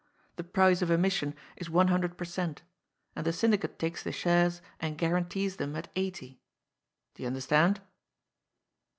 The price of emission is one hundred per cent., and the syndicate takes the shares and guarantees them at eighty. Do you understand